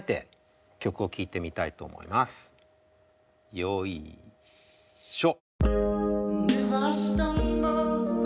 よいしょ。